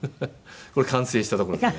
これ完成したところですね。